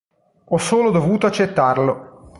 Ho solo dovuto accettarlo".